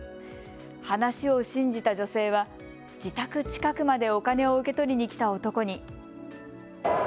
話を信じた女性は自宅近くまでお金を受け取りに来た男に。